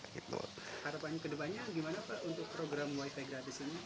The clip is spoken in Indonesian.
harapannya ke depannya bagaimana untuk program wifi gratis ini